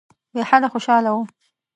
بېحده خوشاله وو.